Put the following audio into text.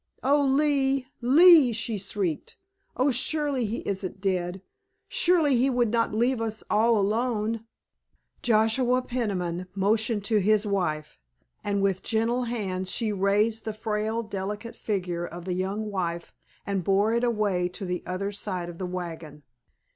"Oh, Lee, Lee!" she shrieked. "Oh, surely he isn't dead! Surely he would not leave us all alone!" Joshua Peniman motioned to his wife, and with gentle hands she raised the frail, delicate figure of the young wife and bore it away to the other side of the wagon.